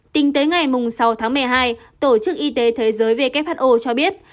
tính tới ngày sáu tháng một mươi hai tổ chức y tế thế giới who cho biết